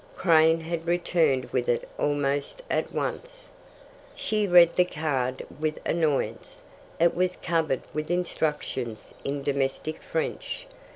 Crane had returned with it almost at once. She read the card with annoyance. It was covered with instructions in domestic French.